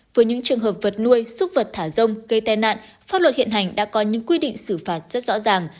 với những trường hợp vật nuôi xúc vật thả rông gây tai nạn pháp luật hiện hành đã có những quy định xử phạt rất rõ ràng